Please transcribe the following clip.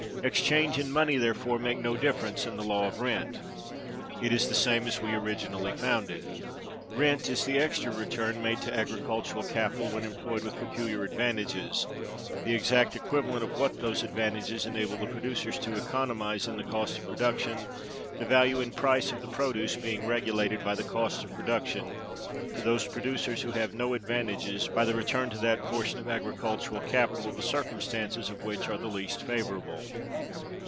Exchange and money, therefore, make no difference in the law of rent: it is the same as we originally(293) found it. Rent is the extra return made to agricultural capital when employed with peculiar advantages; the exact equivalent of what those advantages enable the producers to economize in the cost of production: the value and price of the produce being regulated by the cost of production to those producers who have no advantages; by the return to that portion of agricultural capital the circumstances of which are the least favorable.